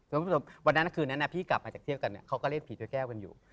สมมุติว่าวันหน้านาคืนนั้นนะพี่กลับมาจากเทียบกันเนี่ยเค้าก็เล่นผีโดยแก้วกันอยู่